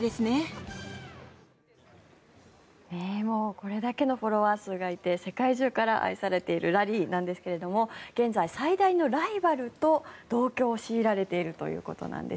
これだけのフォロワー数がいて世界中から愛されているラリーなんですが現在最大のライバルと同居を強いられているということです。